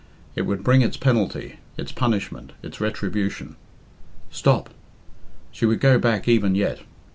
It would bring its penalty, its punishment, its retribution. Stop! She would go back even yet.